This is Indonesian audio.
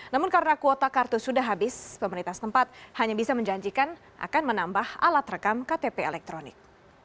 namun karena kuota kartu sudah habis pemerintah tempat hanya bisa menjanjikan akan menambah alat rekam ktp elektronik